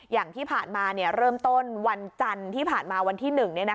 อย่างที่ผ่านมาเริ่มต้นวันจันทร์ที่ผ่านมาวันที่๑